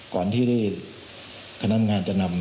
ก่อนที่คณะงานจะนำ